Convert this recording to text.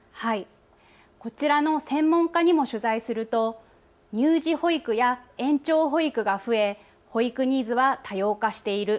こちらの専門家にも取材すると乳児保育や延長保育が増え保育ニーズは多様化している。